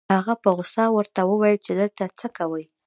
هغه په غصه ورته وويل چې دلته څه کوې؟